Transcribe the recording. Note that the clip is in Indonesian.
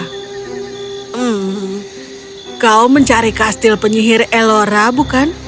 hmm kau mencari kastil penyihir ellora bukan